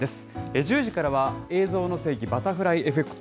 １０時からは、映像の世紀バタフライエフェクト。